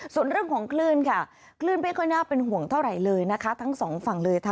ส่วนเรื่องของคลื่นค่ะ